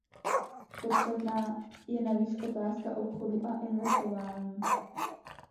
Podstatná je navíc otázka obchodu a investování.